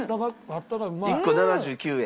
１個７９円。